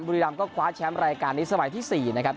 บุรีรำก็คว้าแชมป์รายการนี้สมัยที่๔นะครับ